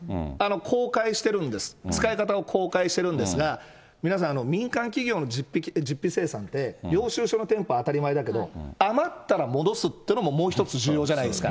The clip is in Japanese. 公開してるんです、使い方を公開してるんですが、皆さん、民間企業の実費精算って、領収書の添付当たり前だけど、余ったら戻すっていうのも、もう一つ重要じゃないですか。